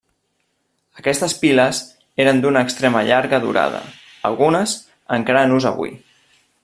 Aquestes piles eren d'una extrema llarga durada, algunes encara en ús avui.